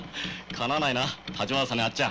かなわないな立花さんにあっちゃ。